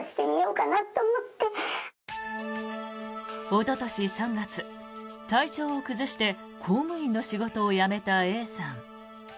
おととし３月、体調を崩して公務員の仕事を辞めたＡさん。